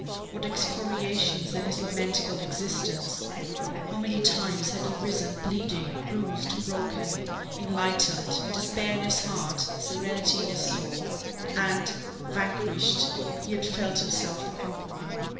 What excoriations in his lamentable existence! How many times he had risen bleeding, bruised, broken, enlightened, despair in his heart, serenity in his soul! and, vanquished, he had felt himself the conqueror.